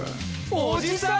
おじさん！